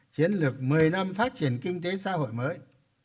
chiến lược một mươi năm phát triển kinh tế xã hội mới